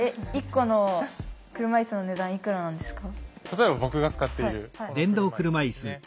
例えば僕が使っているこの車いすですね